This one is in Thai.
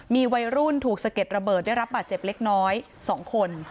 มีวัยรุ่นถูกสะเก็ดระเบิดได้รับบาดเจ็บเล็กน้อย๒คน